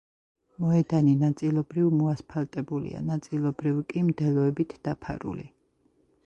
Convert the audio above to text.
მოედანი ნაწილობრივ მოასფალტებულია, ნაწილობრივ კი მდელოებით დაფარული.